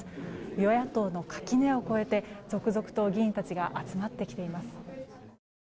与野党の垣根を越えて続々と議員たちが集まってきています。